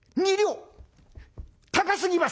高すぎます！」。